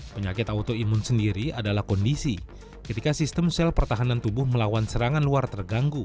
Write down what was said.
penyakit autoimun sendiri adalah kondisi ketika sistem sel pertahanan tubuh melawan serangan luar terganggu